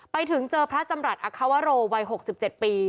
ไปถึงเจอพระจำรัฐอควโรวัย๖๗ปี